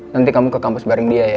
nanti kamu ke kampus baring dia ya